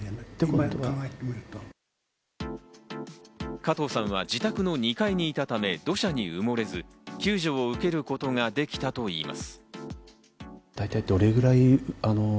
加藤さんは自宅の２階にいたため土砂に埋もれず救助を受けることができたといいます。